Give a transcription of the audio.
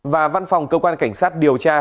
và văn phòng cơ quan cảnh sát điều tra